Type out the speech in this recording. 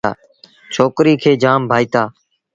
ڇوڪريٚ کي جآم ڀآئيٚتآ۔